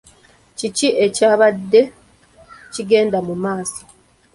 Kiki ekyabadde kigenda mu maaso?